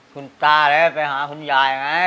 คุณตาเลยไปหาคุณยายไง